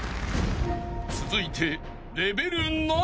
［続いて］